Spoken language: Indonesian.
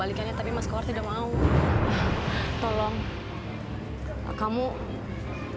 paling mana nanti nanti dia jalan ketinggalkan ini